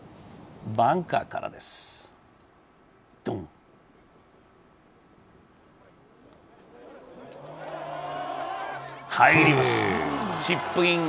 バンカーからです、ドン。